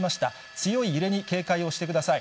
強い揺れに警戒をしてください。